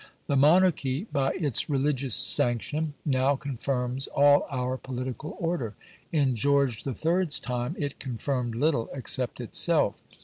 The Monarchy by its religious sanction now confirms all our political order; in George III.'s time it confirmed little except itself.